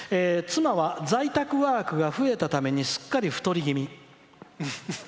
「妻は在宅ワークが増えたためにすっかり太り気味」。